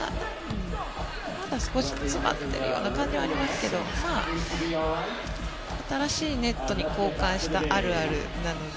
まだ少し詰まっているような感じですが新しいネットに交換したあるあるなので。